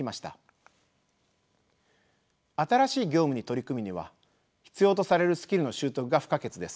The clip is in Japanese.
新しい業務に取り組むには必要とされるスキルの習得が不可欠です。